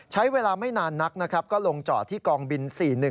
ใช้เวลาไม่นานนักนะครับก็ลงจอดที่กองบิน๔๑